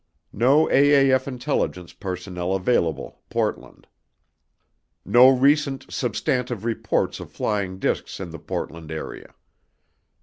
NO AAF INTELLIGENCE PERSONNEL AVAILABLE PORTLAND. NO RECENT SUBSTANTIVE REPORTS OF FLYING DISCS IN THE PORTLAND AREA.